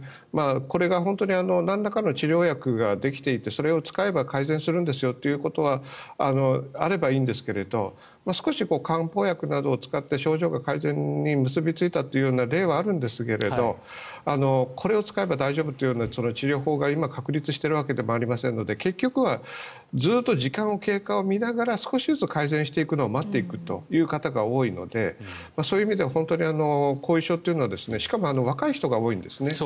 これが本当になんらかの治療薬ができてきてそれを使えば改善されるんですよってことがあればいいんですが少し漢方薬などを使って症状が改善に結びついたという例はあるんですけどもこれを使えば大丈夫という治療法が今、確立しているわけではありませんので結局はずっと時間の経過を見ながら少しずつ改善していくのを待っていくという方が多いのでそういう意味で後遺症というのはしかも若い人が多いんですね。